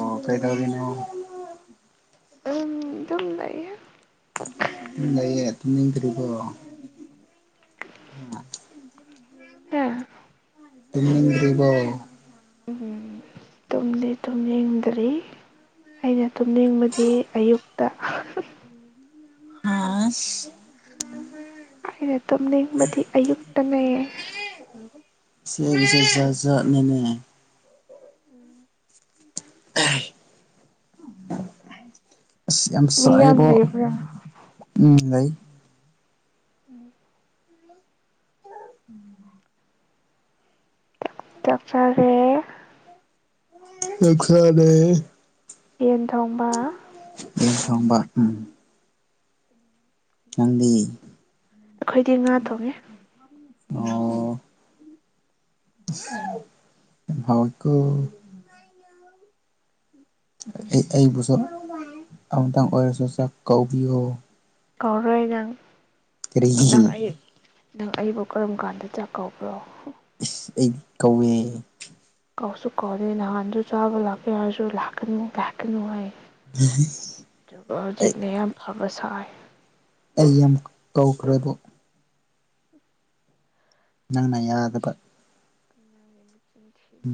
ꯑꯣ ꯀꯩ ꯇꯧꯔꯤꯅꯦ ꯑꯗꯨꯝ ꯑꯗꯨꯝ ꯂꯩꯌꯦ ꯂꯩꯌꯦ ꯀꯅꯤꯒꯔꯒ ꯎꯝ ꯍꯥ ꯇ ꯑꯗꯨꯒꯕꯣ ꯇꯨꯝꯗꯔꯤ ꯑꯩꯅ ꯇꯨꯝꯅꯤꯡꯕꯗꯤ ꯑꯌꯨꯛꯇ ꯑ ꯑꯩꯅ ꯇꯨꯝꯅꯤꯡꯕꯗꯤ ꯑꯌꯨꯛꯇꯅꯦꯌꯦ ꯁꯤꯦꯒꯤꯁꯦ ꯆꯖꯥꯖꯅꯅꯦ ꯎꯝ [inaudible] ꯑꯁ ꯌꯥꯝ ꯃꯤ ꯌꯥꯝ ꯆꯕ ꯂꯩꯕ꯭ꯔꯥ ꯎꯝ ꯂꯩ ꯎꯝ ꯇ ꯐꯔꯦ ꯑꯩꯔꯦ ꯌꯦꯟ ꯇꯣꯡꯕ ꯑꯗꯨ ꯁꯣꯡꯕ ꯎꯝ ꯉꯗꯤ ꯑꯩꯈꯣꯏꯗꯤ ꯉꯥ ꯊꯣꯡꯉꯦ ꯑꯣ ꯍꯥꯎꯀ ꯑꯩꯕꯨꯁꯨ ꯑꯃꯇꯪ ꯑꯣꯏꯔꯁꯨ ꯆꯥꯛ ꯀꯧꯕꯤꯌꯨ ꯀꯥꯎꯔꯣꯏ ꯅꯪ ꯀꯔꯤ ꯅꯪ ꯑꯩ ꯅꯪ ꯑꯩꯕꯨ ꯀꯔꯝ ꯀꯥꯟꯗ ꯆꯥꯛ ꯀꯧꯕꯧꯕ꯭ꯔꯣ ꯏꯁ ꯑꯩ ꯀꯧꯏꯦ ꯀꯥꯎꯁꯨ ꯀꯥꯎꯧꯗꯅ ꯍꯥꯥꯟꯖꯁꯨ ꯆ ꯑꯕ ꯂꯥꯛꯒꯦ ꯍꯥꯏꯁꯨ ꯂꯥꯛꯅꯤ ꯂꯥꯛꯨ ꯍ ꯑꯩ ꯆꯂ ꯕꯁꯥꯏ ꯑꯩ ꯌꯥꯝ ꯀꯧꯈ꯭ꯔꯦꯕ ꯅꯪꯅ ꯌꯥꯗꯕ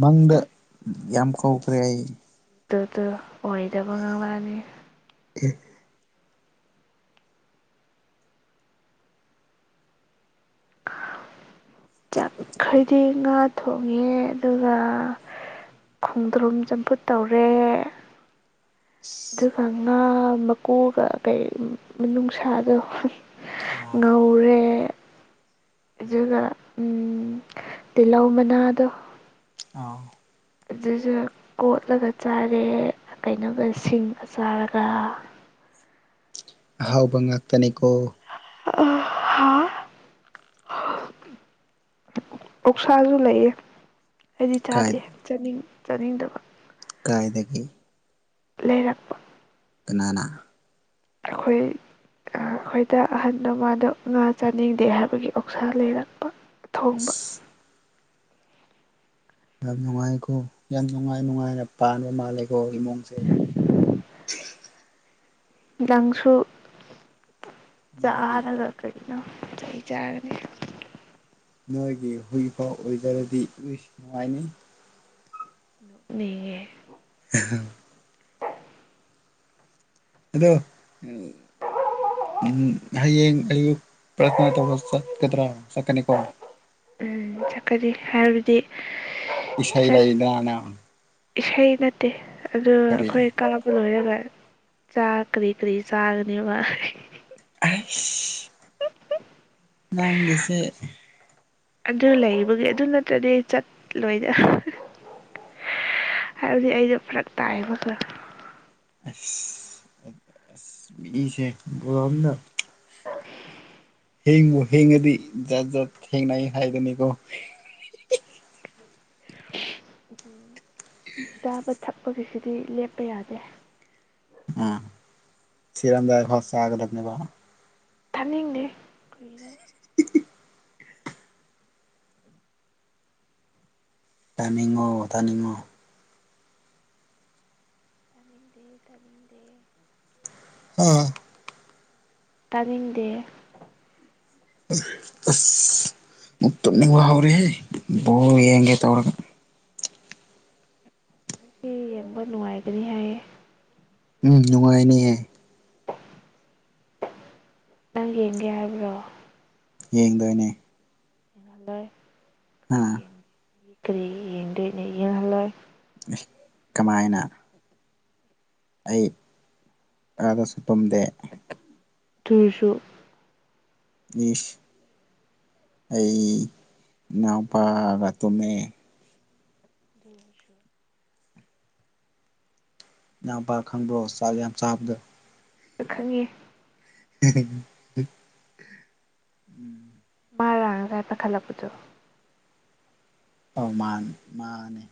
ꯃꯪꯗ ꯌꯥꯝ ꯀꯧꯈ꯭ ꯑꯩ ꯑꯗꯨ ꯑꯗꯨ ꯑꯣꯏꯗꯕ ꯉꯥꯡꯂꯛꯑꯅꯤ ꯆꯠꯈꯗꯤ ꯉꯥ ꯊꯣꯡꯉꯦ ꯑꯗꯨꯒ ꯈꯣꯡꯗ꯭ꯔꯨꯝ ꯆꯝꯐꯨꯠ ꯇꯧꯔꯦ ꯑꯗꯨꯒ ꯉꯥ ꯃꯀꯨꯒ ꯀꯩ ꯅꯨꯡꯁꯥꯗꯣ ꯑꯥ ꯉꯧꯔꯦ ꯨꯒ ꯎꯝ ꯇꯤꯜꯍꯧ ꯃꯅꯥꯗꯣ ꯑꯥ ꯑꯗꯨꯁꯨ ꯀꯣꯠꯂꯒ ꯆꯥꯔꯦ ꯀꯩꯅꯣꯒ ꯁꯤꯡꯒ ꯆꯥꯔꯒ ꯑꯍꯥꯎꯕ ꯉꯥꯛꯇꯅꯤꯀꯣ ꯑ ꯑꯣꯁꯥꯁꯨ ꯂꯩꯌꯦ ꯑꯩꯗꯤ ꯀꯥꯏ ꯆꯥꯗꯦ ꯆꯥꯅꯤꯡ ꯆꯥꯅꯤꯡꯗꯕ ꯀꯗꯥꯏꯗꯒꯤ ꯂꯩꯔꯛꯄ ꯏꯅꯥꯅ ꯑꯩꯈꯣꯏ ꯑꯩꯈꯣꯏꯗ ꯑꯍꯟꯗ ꯃꯥꯗ ꯉꯥ ꯆꯥꯅꯤꯡꯗꯦ ꯍꯥꯏꯕꯒꯤ ꯑꯣꯛꯁꯥ ꯂꯩꯔꯛꯄ ꯊꯣꯡꯕ ꯌꯥꯝ ꯅꯨꯡꯉꯥꯏꯀꯣ ꯌꯥꯝ ꯅꯨꯡꯉꯥꯏ ꯅꯨꯡꯉꯥꯏꯅ ꯄꯥꯟꯕ ꯃꯥꯜꯂꯦꯀꯣ ꯏꯃꯨꯡꯁꯦ ꯪꯁꯨꯨ ꯅꯣꯏꯒꯤ ꯆꯥꯅ ꯂ ꯑ ꯆꯍꯤ ꯆꯥꯔꯒꯦ ꯅꯣꯏꯒꯤ ꯍꯨꯏꯐꯥꯎ ꯑꯣꯏꯖꯔꯗꯤ ꯏꯏꯁ ꯅꯨꯡꯉꯥꯏꯅꯤ ꯅꯒꯦ ꯑ ꯑꯗꯣ ꯎꯝ ꯍꯌꯦꯡ ꯑꯨ ꯄ꯭ꯔꯊꯅ ꯇꯧꯕ ꯆꯠꯀꯗ꯭ꯔꯥ ꯆꯠꯀꯅꯤꯀꯣ ꯎꯝ ꯆꯠꯀꯅꯤ ꯍꯥꯏꯕꯗꯤ ꯏꯁꯥꯏ ꯆꯠ ꯂꯗꯅ ꯏꯁꯩ ꯅ ꯗꯦ ꯑꯗꯨ ꯑꯩꯈꯣꯏ ꯀꯥꯕ ꯂꯣꯏꯔ ꯆꯥ ꯀꯔꯤ ꯀꯔꯤ ꯁꯥꯒꯅꯤ ꯃꯥ ꯅꯒꯦꯁꯦ ꯑꯗꯨ ꯂꯩꯕꯒꯤ ꯑꯗꯨ ꯅꯠꯇ꯭ꯔꯗꯤ ꯆꯠꯂꯣꯏꯗ ꯍꯥꯏꯕꯗꯤ ꯑꯩꯗꯣ ꯐꯔꯛ ꯇꯥꯏꯕ ꯈꯔ ꯑ ꯃꯤꯁꯦ ꯣꯝꯗ ꯍꯦꯡꯉ ꯍꯦꯡꯉꯗꯤ ꯥꯠ ꯖꯥꯠ ꯊꯦꯡꯅ ꯍꯥꯏꯗꯅꯤꯀꯣ ꯎꯝ ꯇꯥꯕ ꯊꯛ ꯂꯞꯄꯒꯤꯁꯤꯗꯤ ꯂꯦꯞꯄ ꯌꯥꯗꯦ ꯑꯝ ꯁꯤꯔꯝꯗ ꯍꯁꯒꯂꯒꯅꯤꯕ ꯊꯥꯅꯤꯡꯅꯦ ꯀꯒꯤꯅꯣ [unintelligible] ꯇꯥꯏꯃꯤꯉꯣ ꯇꯥꯅꯤꯡꯉꯣ ꯇꯅꯤꯡꯗꯦ ꯇꯅꯤꯡꯗꯦ ꯎꯝ ꯇꯅꯤꯡꯗꯦ ꯑꯁ ꯃꯛꯇꯕ ꯍꯧꯥꯎꯔꯤꯦꯍꯦ ꯕꯣ ꯌꯦꯡꯒꯦ ꯇꯧꯔꯒ ꯁꯤ ꯃꯅꯅꯨꯡꯃꯏꯒꯅꯤ ꯍꯥꯏꯌꯦ ꯎꯝ ꯅꯨꯡꯉꯥꯏꯅꯦꯍꯦ ꯅꯪ ꯌꯦꯡꯒꯦ ꯍꯥꯏꯔꯕ꯭ꯔꯣ ꯌꯦꯡꯗꯣꯏꯅꯦ ꯍ ꯂꯩ ꯍꯥ ꯍ ꯌꯦ ꯀꯔꯤ ꯌꯦꯅꯦ ꯌꯦꯜꯂ ꯀꯃꯥꯏꯅ ꯑꯩ ꯀꯥꯗꯁꯨ ꯇꯨꯝꯝꯗꯦ ꯇꯨꯨꯡꯁꯨꯁꯨ ꯏꯁ ꯑꯩ ꯏꯎꯄꯥꯒ ꯇꯃꯦ ꯍꯖꯣꯔ ꯌꯥꯝ ꯄꯥ ꯈꯪꯕ꯭ꯔꯣ ꯆꯥꯛ ꯌꯥꯝ ꯆꯥꯕꯗꯣ ꯈꯪꯉꯦ ꯎꯝ ꯃꯥꯔꯥꯡ ꯔꯏ ꯄ ꯈꯂꯄꯗꯣ ꯑ ꯃꯥꯅꯤ ꯃꯥꯅꯦ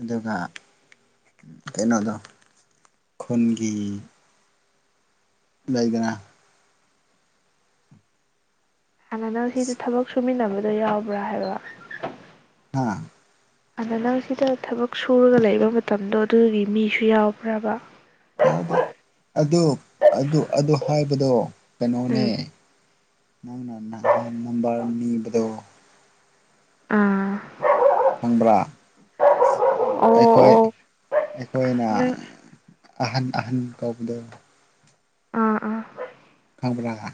ꯑꯗꯨꯒ ꯀꯩꯅꯣꯗ ꯈꯨꯟꯒꯤ ꯌꯥꯒ ꯍꯥꯟꯅꯅ ꯁꯤ ꯑꯁ ꯊꯕꯛ ꯁꯨꯃꯤ ꯅꯕ ꯑꯗꯨ ꯌꯥꯎꯕ꯭ꯔꯥ ꯍꯥꯏꯕ ꯑ ꯑꯗ ꯅꯪ ꯁꯤꯗ ꯊꯕꯛ ꯁꯨꯔꯒ ꯂꯩꯕ ꯃꯇꯝꯗꯣ ꯑꯗꯨꯒꯤ ꯃꯤꯁꯨ ꯌꯥꯎꯕ꯭ꯔꯕ ꯌꯥꯎꯗꯦ ꯑꯗꯨ ꯑꯗꯨ ꯑꯗꯨ ꯍꯥꯏꯕꯗꯣ ꯀꯅꯣꯅꯦ ꯎꯝ ꯅꯪ ꯅꯝꯕꯔꯅꯤꯗ ꯑꯥ ꯈꯪꯕ꯭ꯔꯥ ꯑꯣ ꯑꯩꯈꯣꯏ ꯑꯣ ꯑꯩꯈꯣꯏꯅ ꯅꯪ ꯑꯍꯟ ꯑꯍꯟ ꯀꯧꯕꯗ ꯑꯥ ꯑꯥ ꯈꯕꯔ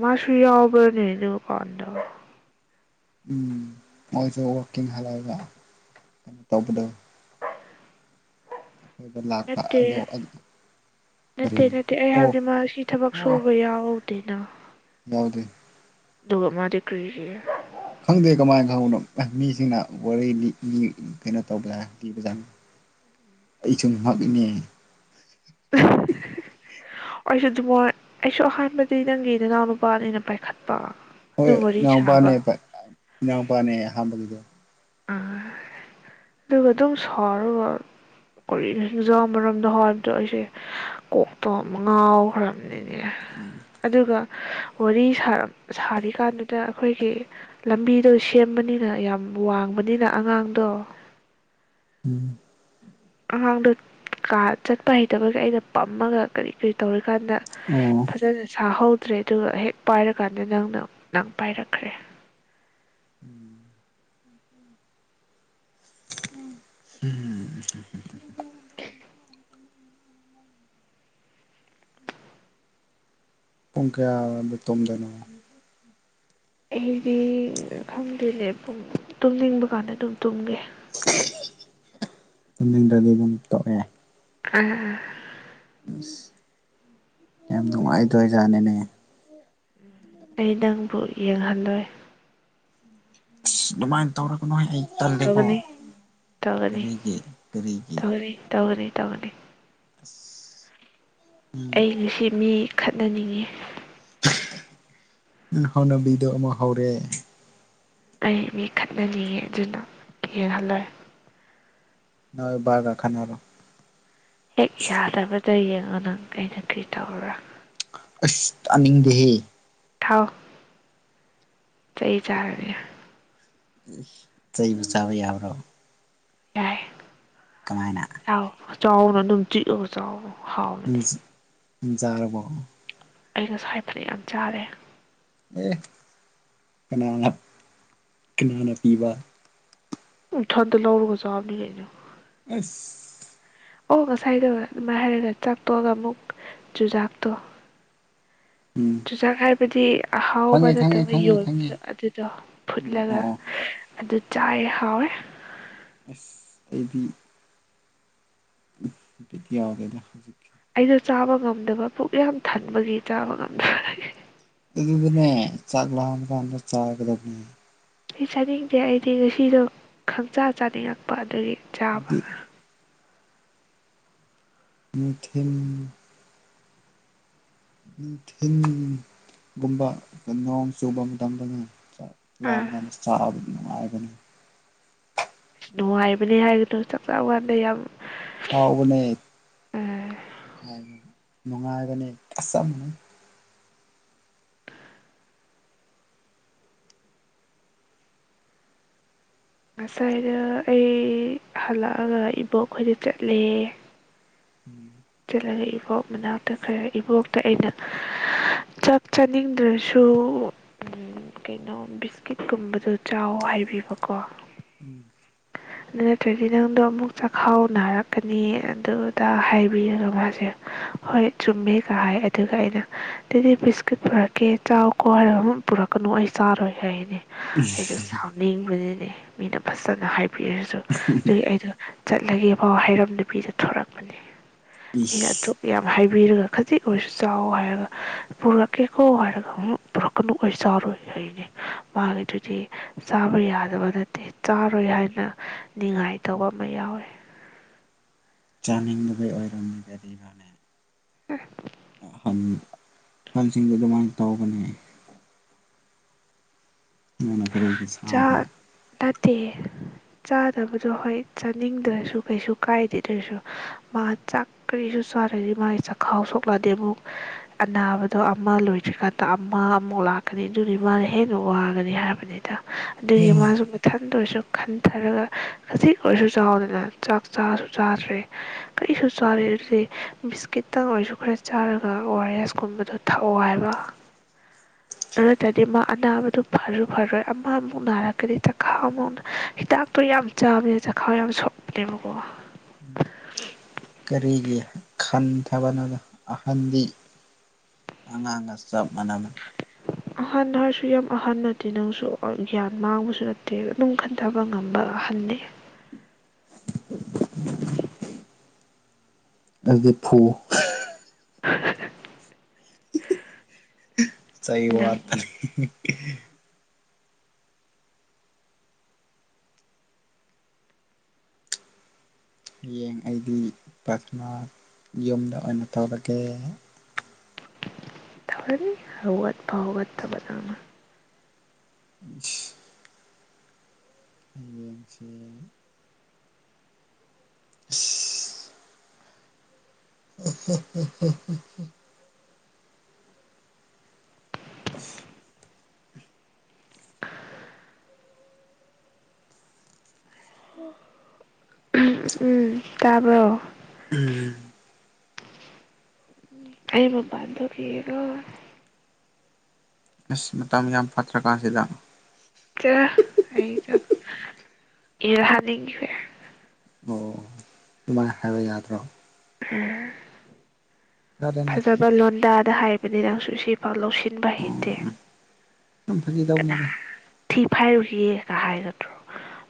ꯃ ꯁꯨꯏꯎꯕ ꯅ ꯑꯗꯨ ꯀꯥꯟꯗ ꯎꯝ ꯃꯣꯏꯁꯨ ꯋꯀꯤꯡ ꯍꯜꯂꯛꯑꯒ ꯀꯩꯅꯣ ꯇꯧꯕꯗꯣ ꯑꯩꯈꯣꯏꯗ ꯂꯥꯛꯄ ꯅꯠꯇꯦ ꯑꯗꯣ ꯀꯔꯤ ꯅꯠꯇꯦ ꯅꯠꯇꯦ ꯑꯩ ꯑꯣ ꯍꯥꯏꯕꯗꯤ ꯃꯥ ꯁꯤ ꯊꯕꯛ ꯑꯣ ꯁꯨꯕ ꯌꯥꯎ ꯑꯗꯨꯅ ꯌꯥꯎꯗꯦ ꯑꯗꯨꯒ ꯑ ꯑꯃ ꯀꯔꯤꯒꯤ ꯈꯪꯗꯦ ꯀꯃꯥꯏꯅ ꯈꯪꯅꯣ ꯃꯤꯁꯤꯡꯅ ꯋꯥꯔꯤ ꯀꯩꯅꯣ ꯇꯧꯕꯖꯥ ꯂꯤꯕꯖꯥꯠꯅ ꯑꯩ ꯁꯨꯝ ꯉꯛꯏꯅꯦ ꯑꯩꯁꯨ ꯑꯗꯨꯃꯣꯏ ꯑꯩꯁꯨ ꯑꯍꯥꯟꯕꯗꯤ ꯅꯪꯒꯤ ꯅꯅꯥꯎ ꯃꯄꯥꯅ ꯑꯩꯅ ꯄꯥꯏꯈꯠ ꯍꯣꯏ ꯏꯅꯥꯎꯄꯥꯅꯦꯕ ꯏꯅꯥꯎꯄꯥꯅꯦ ꯑꯍꯥꯟꯕꯒꯤꯗꯣ ꯑꯥ ꯑꯗꯨꯒ ꯑꯗꯨꯝ ꯁꯥꯎꯔꯒ ꯀꯔꯤꯅꯣ ꯍꯤꯡꯖꯥꯡ ꯃꯔꯝꯗꯣ ꯍꯥꯏꯕꯗꯣ ꯑꯩꯁꯦ ꯀꯣꯛꯇ ꯑꯃ ꯉꯥꯎꯈ꯭ꯔ [inaudible] ꯑꯗꯨꯒ ꯋꯥꯔꯤ ꯁꯥꯔ ꯁꯥꯔꯤꯀꯥꯟꯗꯨꯗ ꯑꯩꯈꯣꯏꯒꯤ ꯂꯝꯕꯤꯗꯣ ꯁꯦꯝꯕꯅꯤꯅ ꯌꯥꯝ ꯋꯥꯡꯕꯅꯤꯅ ꯑꯉꯥꯡꯗꯣ ꯎꯝ ꯑꯉꯥꯡꯗꯣ ꯀꯥ ꯆꯠꯄ ꯍꯩꯇꯕꯒꯤ ꯑꯩꯅ ꯄꯝꯃꯒ ꯀꯔꯤ ꯀꯔꯤ ꯇꯧꯔꯤ ꯀꯥꯟꯗ ꯑꯣ ꯐꯖꯅ ꯁꯥꯍꯧ ꯇ꯭ꯔꯦ ꯑꯗꯨꯒ ꯍꯦꯛ ꯄꯥꯏꯔꯀꯥꯟꯗ ꯅꯪꯅ ꯅꯪ ꯄꯥꯏꯔꯛꯈ꯭ꯔꯦ ꯎꯝ [inaudible] ꯑꯣꯀ ꯂꯤꯇꯨꯝꯗꯅ ꯑꯩꯗꯤ ꯈꯪꯗꯦꯅꯦ ꯄꯨꯡ ꯇꯨꯝꯅꯤꯡꯕ ꯀꯥꯟꯗ ꯑꯗꯨꯝ ꯇꯨꯝꯃꯦ ꯂꯝꯅꯤꯡꯗ꯭ꯔꯗꯤ ꯑꯗꯨꯝ ꯇꯧꯑꯦ ꯎꯝ ꯎꯝ ꯑꯁ ꯌꯥꯝ ꯅꯨꯡꯉꯥꯏꯗꯣꯏꯖꯥꯠꯅꯤꯅꯦ ꯑꯩ ꯅꯪꯕꯨ ꯌꯦꯡꯍꯟꯗꯣꯏ ꯑꯗꯨꯃꯥꯏꯅ ꯇꯧꯔꯛ ꯀꯅꯨ ꯑꯩ ꯇꯜꯂꯦꯀꯣ ꯇꯧꯒꯅꯤ ꯇꯧꯒꯅꯤ ꯀꯔꯤꯒꯤ ꯀꯔꯤꯒꯤ ꯇꯧꯒꯅꯤ ꯇꯧꯒꯅꯤ ꯇꯧꯒꯅꯤ ꯑꯁ ꯑꯩ ꯉꯁꯤ ꯃꯤ ꯈꯠꯅꯅꯤꯡꯉꯤ ꯅꯪ ꯍꯧꯅꯕꯤꯗꯣ ꯑꯃꯨꯛ ꯍꯧꯔꯦ ꯑꯩ ꯃꯤ ꯈꯠꯅꯅꯤꯡꯉ ꯑꯗꯨꯅ [unintelligible] ꯅ ꯔꯒꯥꯥꯈꯅꯥꯗꯣ ꯍꯦꯛ ꯌꯥꯗꯕ ꯇꯌꯦꯡꯉ ꯅꯪ [unintelligible] ꯀꯔꯤ ꯇꯧꯕ꯭ꯔꯥ ꯑꯁ ꯇꯥꯅꯤꯡꯗꯦꯍꯦ ꯊꯥꯎ ꯆꯍꯤ ꯆꯥꯔ [unintelligible] ꯎ ꯇꯕꯨ ꯆꯕꯩꯕꯔꯣ ꯌꯥꯏ ꯀꯃꯥꯏꯅ ꯆꯥꯎ ꯆꯥꯎꯅ ꯗꯨꯝ ꯆꯤꯛꯑꯒ ꯆꯥꯎ ꯍꯥꯎꯕꯅꯦ ꯌꯥꯔꯔꯕꯣ ꯑꯩꯅꯁꯨ [unintelligible] ꯌꯥꯝ ꯆꯥꯔꯦ ꯑꯦ ꯀꯅꯥꯅ ꯀꯅꯥꯅ ꯄꯤꯕ ꯏꯊꯟꯗ ꯂꯥꯎꯔꯒ ꯆꯥꯕꯅꯤ ꯀꯩꯅꯣ ꯏꯁ ꯑꯣ ꯉꯁꯥꯏꯗ ꯑꯗꯨꯃꯥꯏꯅ ꯍꯥꯏꯔꯒ ꯆꯥꯛꯇꯣꯛꯑꯒ ꯑꯃꯨꯛ ꯆꯨꯖꯥꯛꯇꯣ ꯎꯝ ꯆꯨꯖꯥꯛ ꯍꯥꯏꯕꯗꯤ ꯑꯍꯥꯎꯕ ꯈꯪꯉꯦ ꯈꯪꯉꯦ ꯅꯠꯇꯕꯅ ꯈꯪꯉꯦ ꯈꯪꯉꯦ ꯌꯣꯟꯕꯗ ꯑꯗꯨꯗꯣ ꯎꯝ ꯑꯣ ꯐꯨꯠꯂꯒ ꯑꯣ ꯑꯗꯨ ꯆꯥꯏ ꯍꯥꯎ ꯑꯁ ꯑꯦꯕꯤ ꯗꯤ ꯌꯥꯗꯗ ꯍꯧꯖꯤꯛ ꯑꯩꯗꯣ ꯆꯥꯕ ꯉꯝꯗꯕ ꯄꯨꯛ ꯌꯥꯝ ꯊꯟꯕꯒꯤ ꯆꯥꯕ ꯉꯝꯗꯕ ꯑꯗꯨꯗꯅꯅꯦ ꯆꯥꯛ ꯂꯦꯟ ꯈ ꯆꯥ ꯀꯗꯕꯅꯦ ꯁꯤ ꯆꯥꯅꯤꯡꯗꯦ ꯑꯩꯗꯤ ꯉꯁꯤꯗꯣ ꯈꯪꯆꯥꯥ ꯆꯥꯅꯤꯡꯉꯛꯄ ꯑꯗꯨꯗꯒꯤ ꯆꯥꯕ ꯑꯗꯨꯗꯤ ꯃꯊꯤꯟ ꯅꯨꯡꯊꯤꯟ ꯒꯨꯝꯕ ꯅꯣꯡ ꯆꯨꯕ ꯃꯇꯝꯗꯅ ꯑꯥ ꯂꯅ ꯁꯕ ꯍꯥꯏꯕꯅꯤ ꯑ ꯅꯨꯡꯉꯥꯏꯕꯅꯦ ꯍꯥꯏꯒꯅꯣ ꯆꯥꯛ ꯆꯥ ꯀꯥꯟꯗ ꯌꯥꯝ ꯍꯥꯎꯕꯅꯦ ꯅꯨꯡꯉꯥꯏꯕꯅꯤ ꯑꯁ ꯉꯁꯥꯏꯅ ꯑꯩ ꯍꯜꯂꯛꯑꯒ ꯏꯕꯣꯛꯈꯣꯏꯗ ꯆꯠꯂꯦ ꯎꯝ ꯑꯗꯨꯒ ꯏꯕꯣꯛ ꯃꯅꯥꯛꯇ ꯈꯔ ꯏꯕꯣꯛꯇ ꯑꯩꯅ ꯆꯥꯛ ꯆꯥꯅꯤꯡꯗ꯭ꯔꯁꯨ ꯎ ꯀꯩꯅꯣ ꯕꯤꯁꯀꯤꯠꯀꯨꯝꯕꯗꯣ ꯆꯥꯎ ꯍꯥꯏꯕꯤꯕꯀꯣ ꯎꯝ ꯑꯗꯨ ꯅꯠꯇ꯭ꯔꯗꯤ ꯅꯪꯗꯣ ꯑꯃꯨꯛ ꯆꯥꯛꯈꯥꯎ ꯅꯥꯔꯛꯀꯅꯤ ꯑꯗꯨꯗ ꯇꯥꯕꯤꯔꯒ ꯃꯥꯁꯦ ꯍꯣꯏ ꯆꯨꯝꯃꯦꯒ ꯍꯥꯏ ꯑꯗꯨꯒ ꯑꯩꯅ ꯑꯗꯨꯗꯤ ꯕꯤꯁꯀꯤꯠ ꯄꯨꯔꯛꯀꯦ ꯆꯥꯎ ꯀꯣ ꯍꯥꯏꯔ ꯄꯨꯔꯛꯀꯅꯨ ꯑꯩ ꯆꯥꯔꯣꯏ ꯍꯥꯏꯅꯦ ꯑꯩꯁꯨ ꯁꯥꯎꯅꯤꯡꯕꯅꯤꯅꯦ ꯃꯤꯅ ꯐꯖꯅ ꯍꯥꯏꯕꯤꯔꯁꯤ ꯁꯨ ꯑꯗꯨꯒꯤ ꯑꯩꯗꯣ ꯆꯠꯂꯒꯦ ꯐꯥꯎ ꯍꯩꯔꯝ ꯅꯨꯄꯤꯗ ꯊꯣꯔꯛꯄꯅꯤ ꯄꯅ ꯏꯁ ꯌꯥꯝ ꯍꯥꯏ ꯕꯤꯔꯒ ꯈꯖꯤꯛ ꯑꯣꯏꯔꯁꯨ ꯆꯥꯎ ꯍꯥꯏꯔꯒ ꯄꯨꯔꯛꯀꯦꯀꯣ ꯍꯥꯏꯔꯒ ꯑꯃꯨ ꯄꯨꯔꯛꯀꯅꯨ ꯑꯣꯏꯔꯁꯨ ꯆꯥꯎꯔꯣꯏ ꯍꯥꯏꯅꯤ ꯃꯥꯒꯤꯗꯨꯗꯤ ꯆꯥꯕ ꯌꯥꯗꯕ ꯅꯠꯇꯦ ꯆꯥꯔꯣꯏ ꯍꯥꯏꯅ ꯅꯤꯉꯥꯏꯇꯧꯕ ꯑꯃ ꯌꯥꯎꯋꯤ ꯆꯥꯅꯤꯡꯕꯒꯤꯩ ꯑꯣꯏꯔꯝꯃꯤꯕꯗꯤ ꯏꯕꯥꯅꯦ ꯍ ꯍꯟꯁꯤꯡꯗꯃꯥꯡ ꯇꯧꯕꯅꯤ ꯃꯣꯏꯅ ꯀꯔꯤꯒꯤ ꯁꯥꯕ ꯇꯦ ꯆꯥꯗꯕꯗꯣ ꯍꯣꯏ ꯆꯥꯅꯤꯡꯗ꯭ꯔꯁꯨ ꯀꯩꯁꯨ ꯀꯥꯏꯗꯦꯗꯔꯁꯨ ꯃꯥ ꯆꯥꯛ ꯀꯔꯤꯁꯨ ꯆꯥꯗꯗꯤ ꯃꯥꯒꯤ ꯆꯥꯛꯈꯥꯎ ꯁꯣꯛꯂꯛꯑꯗꯤ ꯑꯃꯨꯛ ꯑꯅꯥꯕꯗꯣ ꯑꯃ ꯂꯣꯏꯗ꯭ꯔꯤꯀꯥꯟꯗ ꯑꯃ ꯑꯃꯨꯛ ꯂꯥꯛꯀꯅꯤ ꯑꯗꯨꯒꯤ ꯃꯥꯅ ꯍꯦꯟꯅ ꯋꯥꯒꯅꯤ ꯍꯥꯏꯕ ꯑꯃꯅꯤꯗ ꯑꯗꯨꯃꯁꯨ ꯃ ꯊꯥ ꯟꯗ ꯑꯣꯏꯔꯁꯨ ꯈꯟꯊꯔꯒ ꯈꯖꯤꯛ ꯑꯣꯏꯔꯁꯨ ꯆꯥꯎꯗꯅ ꯆꯥꯛ ꯆꯥꯔꯁꯨ ꯆꯥꯗ꯭ꯔꯦ ꯀꯔꯤꯁꯨ ꯆꯥꯗ ꯑꯗꯨꯗꯤ ꯕꯤꯁꯀꯤꯠꯇꯪ ꯑꯣꯏꯔꯁꯨ ꯈꯔ ꯆꯥꯔꯒ ꯑꯣ ꯑꯥ ꯑꯦꯁ ꯀꯨꯝꯕꯗꯣ ꯊꯛꯑꯣ ꯍꯥꯏꯕ ꯑꯗꯨꯗꯗꯤ ꯃꯥ ꯑꯅꯥꯕꯗꯨ ꯐꯔꯨ ꯐꯔꯣꯏ ꯑꯃꯃꯨꯛ ꯅꯥꯔꯛꯒꯗꯤ ꯆꯈꯥꯎ ꯑꯃꯨꯛ ꯍꯤꯗꯥꯛꯇꯣ ꯌꯥꯝ ꯆꯥꯕꯅꯦ ꯆꯈꯥꯎ ꯌꯥꯝ ꯁꯣꯛꯄꯅꯦꯕꯀꯣ ꯀꯔꯤꯒꯤ ꯈꯟꯊꯕꯅꯣꯗ ꯑꯍꯟꯗꯤ ꯑꯉꯥꯡꯒ ꯆꯞ ꯃꯥꯟꯅꯕꯅꯤ ꯑꯍꯟ ꯍꯥꯏꯔꯁꯨ ꯌꯥꯝ ꯑꯍꯟ ꯅꯠꯇꯦ ꯅꯪꯁꯨ ꯒ꯭ꯌꯥꯟ ꯃꯥꯡꯕꯁꯨ ꯅꯠꯇꯦ ꯑꯗꯨꯝ ꯈꯟꯊꯕ ꯉꯝꯕ ꯑꯍꯜꯅꯤ ꯑꯁꯗꯤꯄꯨ [unintelligible] ꯁꯩ ꯅꯪ ꯋꯥꯔꯅꯤ [unintelligible] ꯍꯌꯦꯡ ꯑꯩꯗꯤ ꯄꯊꯅ ꯌꯨꯝꯗ ꯑꯣꯏꯅ ꯇꯧꯔꯒꯦ ꯊꯕꯅꯤ ꯍꯧꯠ ꯐꯥꯎꯋꯠ ꯇꯕ ꯅ ꯑꯃ ꯎ ꯑꯁꯦ [unintelligible] ꯑꯆꯥꯆꯥ [unintelligible] ꯇꯥꯕꯣ ꯑꯩꯕꯄꯥꯟꯗ ꯀꯌꯦꯒꯣ ꯑꯁ ꯃꯇꯝ ꯌꯥꯝ ꯐꯠꯇ꯭ꯔꯀꯥꯟꯁꯤꯗ ꯑꯩꯗ ꯏꯔꯍꯅꯤꯒꯤ ꯑꯣ ꯑꯗꯨꯃꯥꯏꯅ ꯍꯥꯏꯕ ꯌꯥꯗ꯭ꯔꯣ ꯈꯔꯗꯅꯤ ꯐꯖꯕ ꯂꯣꯟꯗꯥꯗ ꯍꯥꯏ ꯃ ꯂꯧꯁꯤꯟꯕ ꯑꯣ ꯍꯩꯇꯦ ꯁꯨꯝ ꯐꯥꯒꯤ ꯀꯅꯥ ꯇꯧꯕꯅꯤꯗ ꯊꯤ ꯐꯥꯏꯔꯨꯒ ꯀ ꯍꯥꯏꯒꯠꯇ꯭ꯔꯣ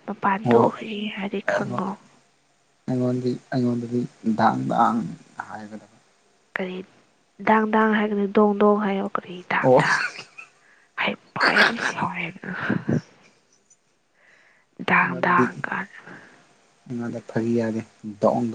ꯃꯄꯥꯟ ꯑꯣ ꯊꯣꯛꯎꯏ ꯍꯥꯏꯗꯤ ꯈꯪꯉꯣ ꯑꯩꯉꯣꯟꯗꯤ ꯑꯩꯉꯣꯟꯗꯗꯤꯗꯥꯥꯡꯗꯥꯡ ꯍꯥꯏꯒꯗꯕ ꯀꯔꯤ ꯗꯥꯥꯡ ꯗꯥꯥꯡ ꯍꯥꯏꯒꯅꯤ ꯗꯣꯡ ꯗꯣꯡ ꯍꯥꯏꯌꯣ ꯀꯔꯤ ꯑꯣ ꯊꯥꯡꯗ ꯍꯩꯄ ꯌꯥꯝ ꯁꯥꯎꯋꯦꯗꯅ ꯗ ꯑꯩꯉꯣꯟꯗꯗꯤ ꯗꯒ ꯑꯩꯉꯣꯟꯗ ꯐꯔꯤ ꯌꯥꯗꯦ ꯗ ꯍꯥꯏ